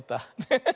ハハハ。